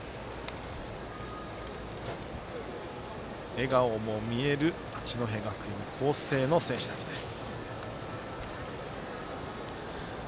笑顔も見える八戸学院光星の選手たちです。